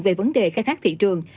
về vấn đề khai thác thị trường